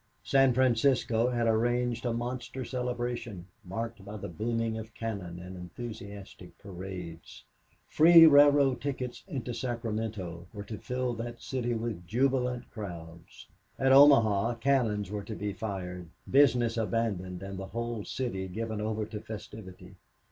San Francisco had arranged a monster celebration marked by the booming of cannon and enthusiastic parades. Free railroad tickets into Sacramento were to fill that city with jubilant crowds. At Omaha cannons were to be fired, business abandoned, and the whole city given over to festivity.